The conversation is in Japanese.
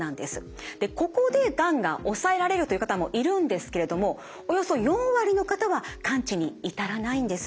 ここでがんが抑えられるという方もいるんですけれどもおよそ４割の方は完治に至らないんです。